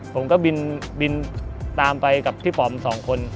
ผมก็บินตามไปกับพี่ป๋อมสองคน